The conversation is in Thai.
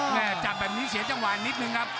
จับแบบนี้เสียจังหวะนิดนึงครับ